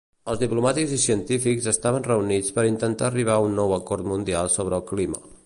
Els diplomàtics i científics estaven reunits para intentar arribar a nou acord mundial sobre el clima.